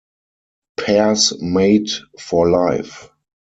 Pairs mate for life.